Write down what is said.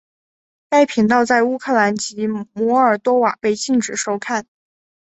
该频道在乌克兰及摩尔多瓦被禁止收看。